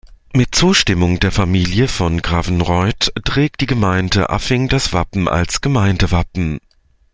Mit Zustimmung der Familie von Gravenreuth trägt die Gemeinde Affing das Wappen als Gemeindewappen.